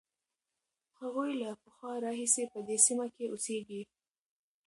هغوی له پخوا راهیسې په دې سیمه کې اوسېږي.